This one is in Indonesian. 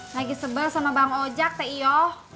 lagi sebel sama bang ojak teh iyo